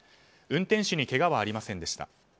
運転手にけがはありませんでした。